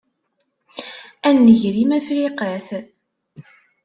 A nnger-im, a Friqat!